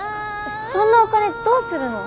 そんなお金どうするの？